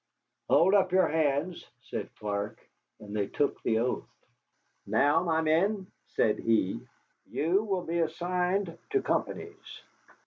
"Hold up your hands," said Clark, and they took the oath. "Now, my men," said he, "you will be assigned to companies.